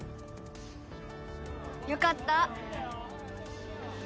よかった。